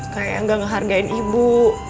kayak gak ngehargain ibu